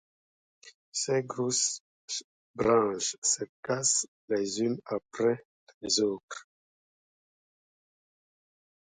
Ses grosses branches se cassent les unes après les autres.